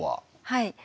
はい。